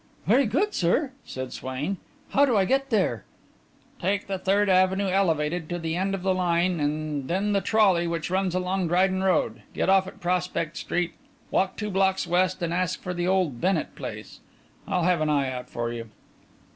"Very good, sir," said Swain. "How do I get there?" "Take the Third Avenue elevated to the end of the line, and then the trolley which runs along Dryden Road. Get off at Prospect Street, walk two blocks west and ask for the old Bennett place. I'll have an eye out for you."